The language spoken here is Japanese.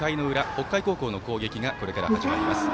北海高校の攻撃がこれから始まります。